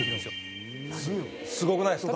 すごくないですか？